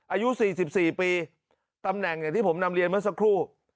อายุ๔๔ปีตำแหน่งอย่างที่ผมนำเรียนเมื่อสักครู่